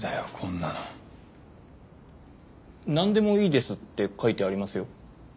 「なんでもいいです」って書いてありますよ？